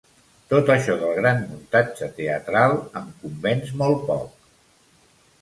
Tot això del gran muntatge teatral em convenç molt poc.